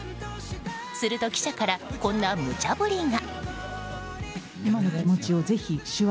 すると記者からこんなむちゃ振りが。